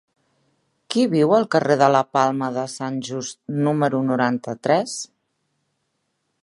Qui viu al carrer de la Palma de Sant Just número noranta-tres?